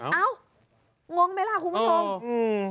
เอ้างงไหมล่ะคุณผู้ชมอืม